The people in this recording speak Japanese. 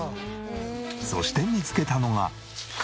そして見つけたのが。